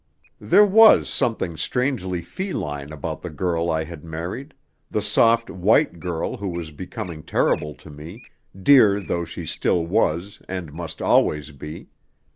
There was something strangely feline about the girl I had married the soft, white girl who was becoming terrible to me, dear though she still was and must always be.